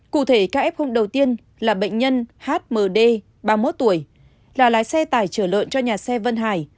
cụ thể caf đầu tiên là bệnh nhân hmd ba mươi một tuổi là lái xe tải trở lợn cho nhà xe vân hải